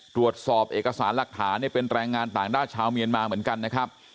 ตรวจสอบเอกสารหลักฐานเนี่ยเป็นแรงงานต่างด้าวชาวเมียนมาเหมือนกันนะครับ